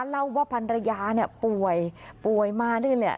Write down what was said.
เล่าว่าพันรยาเนี่ยป่วยป่วยมานี่แหละ